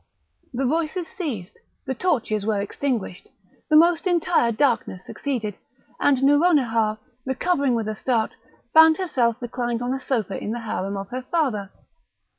The voices ceased, the torches were extinguished, the most entire darkness succeeded, and Nouronihar, recovering with a start, found herself reclined on a sofa in the harem of her father.